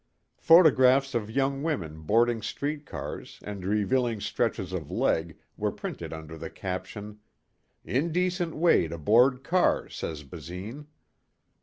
Photographs of young women boarding street cars and revealing stretches of leg were printed under the caption, "Indecent Way to Board Car, Says Basine."